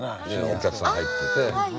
お客さん入ってて。